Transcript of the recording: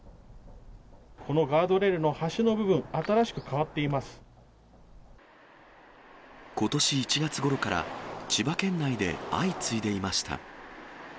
このガードレールの端の部分、ことし１月ごろから、千葉県内で相次いでいました。